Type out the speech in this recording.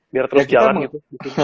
biar terus jalan gitu